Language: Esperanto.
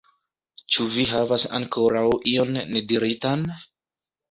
Ĉu vi havas ankoraŭ ion nediritan?